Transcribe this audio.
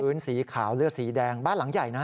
สีขาวเลือดสีแดงบ้านหลังใหญ่นะฮะ